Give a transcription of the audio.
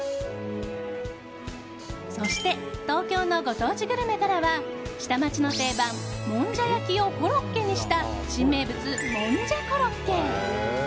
そして東京のご当地グルメからは下町の定番もんじゃ焼きをコロッケにした新名物もんじゃころっけ。